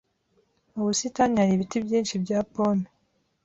Mu busitani hari ibiti byinshi bya pome.